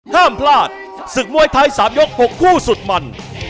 ห้ามพลาดศึกมวยไทย๓ยก๖คู่สุดมัน